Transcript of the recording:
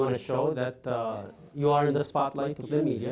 karena anda ingin menunjukkan bahwa anda berada di tengah tengah media